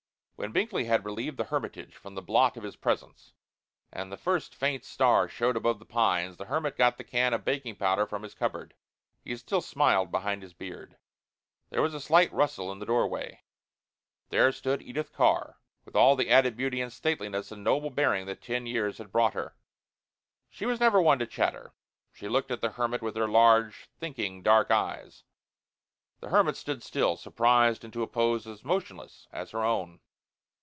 When Binkley had relieved the hermitage from the blot of his presence and the first faint star showed above the pines, the hermit got the can of baking powder from his cupboard. He still smiled behind his beard. There was a slight rustle in the doorway. There stood Edith Carr, with all the added beauty and stateliness and noble bearing that ten years had brought her. She was never one to chatter. She looked at the hermit with her large, thinking, dark eyes. The hermit stood still, surprised into a pose as motionless as her own.